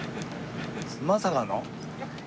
まさかの？